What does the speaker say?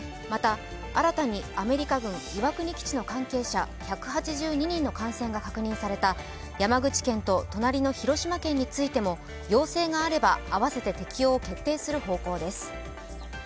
また、新たにアメリカ軍・岩国基地の関係者１８２人の感染が確認された山口県と隣の広島県についても要請があればあわせて適用を決定する方向です。